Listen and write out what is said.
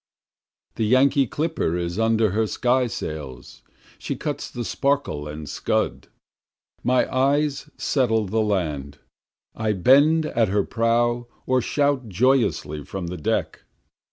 The Yankee clipper is under her sky sails, she cuts the sparkle and scud, My eyes settle the land, I bend at her prow or shout joyously from the deck.